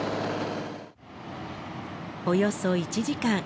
およそ１時間。